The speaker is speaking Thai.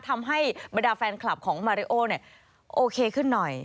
ทำให้บรรดาแฟนคลับของมาริโอเนี่ยโอเคขึ้นหน่อย